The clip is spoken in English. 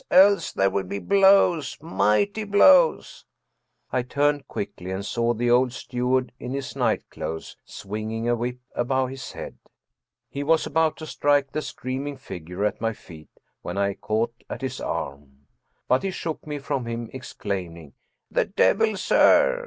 Else there will be blows, mighty blows!" I turned quickly and saw the old steward in his night clothes, swinging a whip above his head. He was about to strike the screaming figure at my feet when I caught at his arm. But he shook me from him, exclaiming: " The devil, sir!